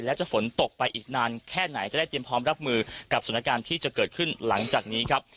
แล้วจะฝนตกไปอีกนานแค่ไหนจะได้เตรียมพร้อมรับมือกับสถานการณ์ที่จะเกิดขึ้นหลังจากนี้ครับ